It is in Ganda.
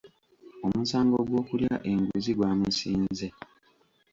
Omusango gw'okulya enguzi gwamusinze.